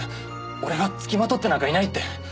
俺はつきまとってなんかいないって。